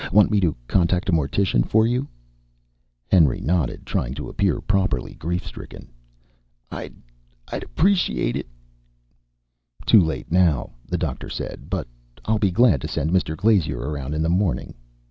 Want me to contact a mortician for you?" Henry nodded, trying to appear properly grief stricken. "I I'd appreciate it." "Too late now," the doctor said. "But I'll be glad to send Mr. Glazier around in the morning."